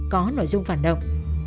có nội dung phản động